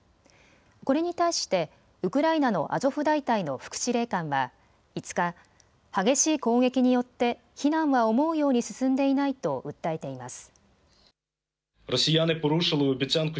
これに対して、ウクライナのアゾフ大隊の副司令官は５日、激しい攻撃によって、避難は思うように進んでいないと訴えています。